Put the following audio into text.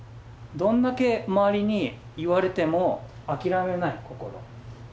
どんだけ周りに言われても諦めない心。